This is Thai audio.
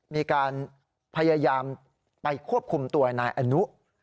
มีการพยายามไปควบคุมตัวนายอนุ